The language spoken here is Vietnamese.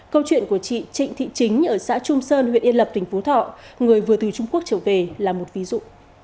câu chuyện của chị trịnh thị chính ở xã trung sơn huyện yên lập tỉnh phú thọ người vừa từ trung quốc trở về là một ví dụ